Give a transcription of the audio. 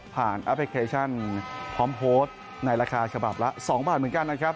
แอปพลิเคชันพร้อมโพสต์ในราคาฉบับละ๒บาทเหมือนกันนะครับ